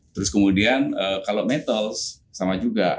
terus kemudian kalau metal sama juga